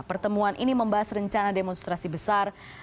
pertemuan ini membahas rencana demonstrasi besar